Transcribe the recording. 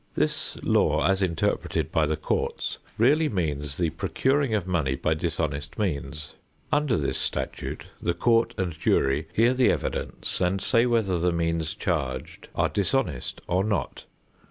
This law, as interpreted by the courts, really means the procuring of money by dishonest means. Under this statute the court and jury hear the evidence and say whether the means charged are dishonest or not.